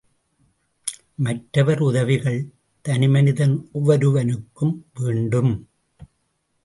மற்றவர் உதவிகள் தனிமனிதன் ஒவ்வொருவனுக்கும் வேண்டும்!